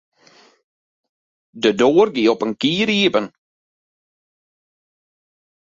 De doar gie op in kier iepen.